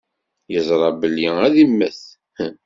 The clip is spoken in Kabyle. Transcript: Yeẓra belli ad immet.